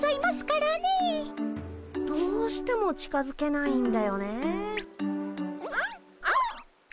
どうしても近づけないんだよねえ。